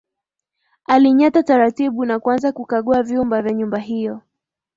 Alinyata taratibu na kuanza kukagua vyumba vya nyumba hiyo